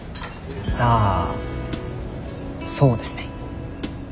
あそうですね。